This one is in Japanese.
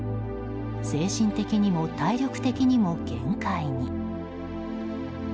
精神的にも体力的にも限界に。